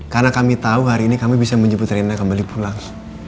karena kami tahu hari ini kami bisa menjemput rena kembali pulang